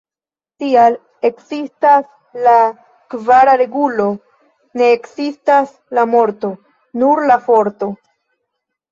Tial ekzistas la kvara regulo: "Ne ekzistas la morto, nur la Forto".